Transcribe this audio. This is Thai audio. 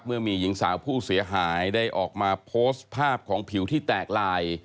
เมื่อมีหญิงสาวผู้เสียหายได้ออกมาโพสต์ภาพของผิวที่แตกลาย